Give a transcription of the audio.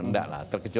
tidak lah terkejut